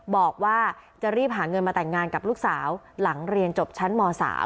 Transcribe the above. บอกว่าจะรีบหาเงินมาแต่งงานกับลูกสาวหลังเรียนจบชั้นม๓